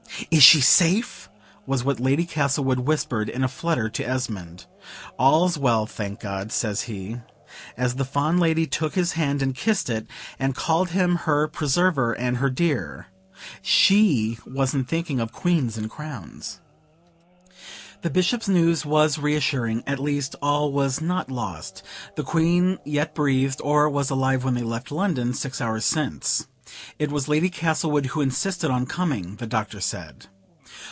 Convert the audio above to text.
"Is she safe?" was what Lady Castlewood whispered in a flutter to Esmond. "All's well, thank God," says he, as the fond lady took his hand and kissed it, and called him her preserver and her dear. SHE wasn't thinking of Queens and crowns. The Bishop's news was reassuring: at least all was not lost; the Queen yet breathed, or was alive when they left London, six hours since. ("It was Lady Castlewood who insisted on coming," the Doctor said.)